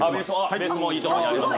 ベースもいいところにありました。